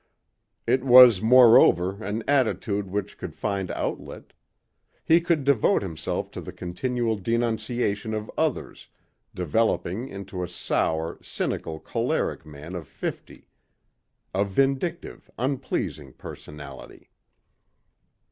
It was, moreover, an attitude which could find outlet. He could devote himself to the continual denunciation of others, developing into a sour, cynical choleric man of fifty. A vindictive, unpleasing personality.